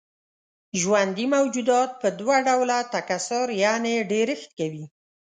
ژوندي موجودات په دوه ډوله تکثر يعنې ډېرښت کوي.